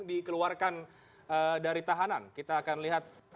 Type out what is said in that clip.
dikeluarkan dari tahanan kita akan lihat